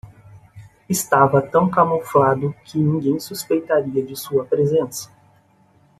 Estava tão camuflado que ninguém suspeitaria de sua presença.